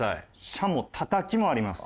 しゃもたたきもあります。